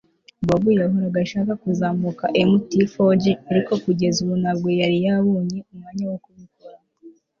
Bobo yahoraga ashaka kuzamuka Mt Fuji ariko kugeza ubu ntabwo yari yabonye umwanya wo kubikora